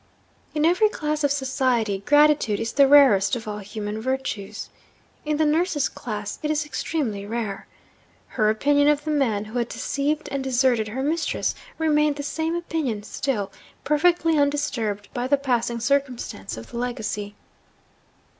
In every class of society, gratitude is the rarest of all human virtues. In the nurse's class it is extremely rare. Her opinion of the man who had deceived and deserted her mistress remained the same opinion still, perfectly undisturbed by the passing circumstance of the legacy.